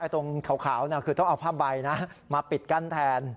ตรงขาวคือต้องเอาผ้าใบมาปิดกั้นแทน